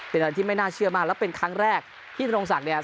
เป็นอะไรที่ไม่น่าเชื่อมากแล้วเป็นครั้งแรกที่ธนรงศักดิ์เนี่ย